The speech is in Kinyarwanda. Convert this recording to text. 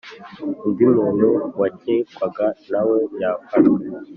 undi muntu wacyekwaga nawe yafashwe